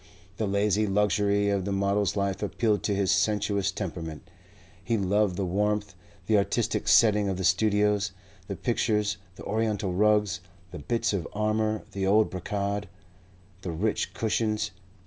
The lazy luxury of the model's life appealed to his sensuous temperament. He loved the warmth, the artistic setting of the studios; the pictures, the oriental rugs, the bits of armour, the old brocade, the rich cushions.